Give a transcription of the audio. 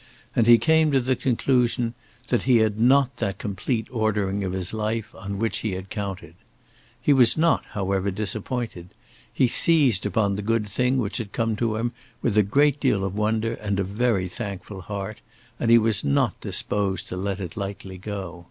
And he came to the conclusion that he had not that complete ordering of his life on which he had counted. He was not, however, disappointed. He seized upon the good thing which had come to him with a great deal of wonder and a very thankful heart; and he was not disposed to let it lightly go.